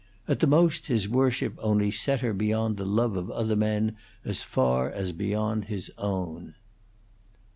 At the most his worship only set her beyond the love of other men as far as beyond his own.